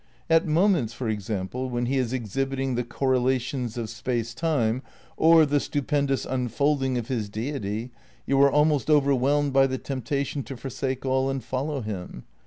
At moments, for example, when he is exhibiting the correlations of Space Time or the stupendous unfold ing of his Deity, you are almost overwhelmed by the temptation to forsake all and follow him.